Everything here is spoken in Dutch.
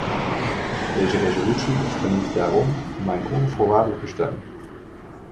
Deze resolutie geniet daarom mijn onvoorwaardelijke steun.